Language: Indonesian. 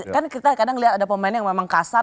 kan kita kadang lihat ada pemain yang memang kasar